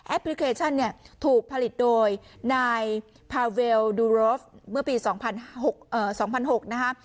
พลิเคชันเนี่ยถูกผลิตโดยนายพาเวลดูโรฟเมื่อปี๒๐๐๖นะคะ